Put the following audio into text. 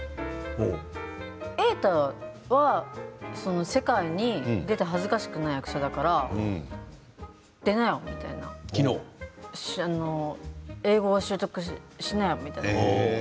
瑛太は、世界にいって恥ずかしくない役者だから出なよみたいな英語を習得しなよみたいな。